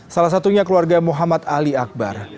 salah satunya keluarga muhammad ali akbar